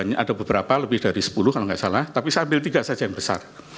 ada beberapa lebih dari sepuluh kalau tidak salah tapi saya ambil tiga saja yang besar